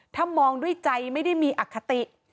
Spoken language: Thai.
ถ้ามองด้วยใจไม่ได้มีอคติ